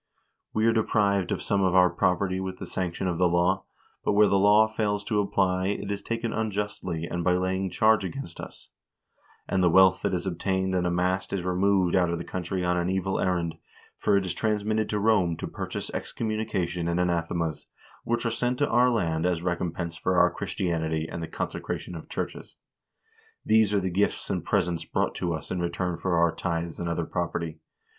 We are deprived of some of our prop erty with the sanction of the law ; but where the law fails to apply, it is taken unjustly and by laying charge against us ; and the wealth that is obtained and amassed is removed out of the country on an evil errand, for it is transmitted to Rome to purchase excommunication and anathemas, which are sent to our land as recompense for our Christianity and the consecration of churches. These are the gifts and presents brought to us in return for our tithes and other property.